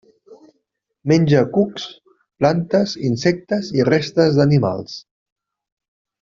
Menja cucs, plantes, insectes i restes animals.